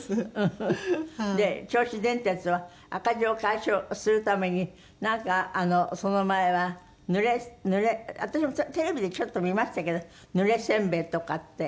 フフ！で銚子電鉄は赤字を解消するためになんかその前はぬれ私もテレビでちょっと見ましたけどぬれ煎餅とかって。